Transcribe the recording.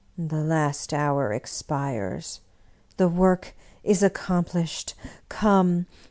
"The last hour expires — ^the work is accomplished! Come!